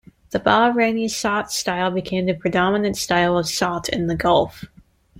The Bahraini "sawt" style became the predominant style of "sawt" in the Gulf.